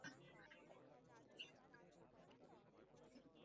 অওদের নাক চ্যাপ্টা এবং মুখমন্ডল বিস্তৃত, কিছুটা মঙ্গোলীয়দের মতো।